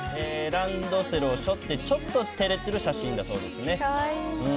ランドセルをしょって、ちょっとてれてる写真だそうですね。